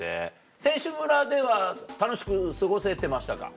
選手村では楽しく過ごせてましたか？